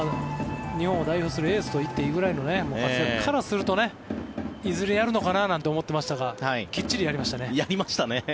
日本を代表するエースといっていいくらいの活躍からするといずれやるのかなと思ってましたがやりましたね。